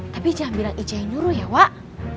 tapi jangan bilang ica yang nyuruh ya wak